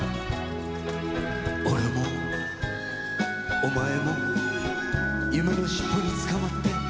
「俺もお前も青春のしっぽにつかまって」